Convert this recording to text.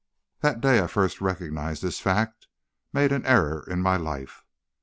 "The day that I first recognized this fact made an era in my life.